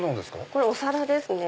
これお皿ですね。